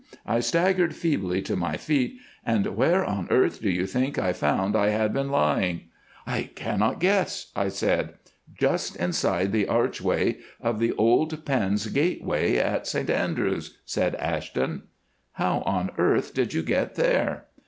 I staggered feebly to my feet, and where on earth do you think I found I had been lying?" "I cannot guess," I said. "Just inside the archway of the old Pends gateway at St Andrews," said Ashton. "How on earth did you get there?"